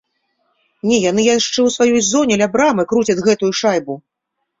Не, яны яшчэ ў сваёй зоне ля брамы круцяць гэтую шайбу.